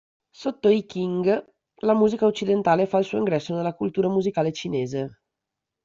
Sotto i Qing la musica occidentale fa il suo ingresso nella cultura musicale cinese.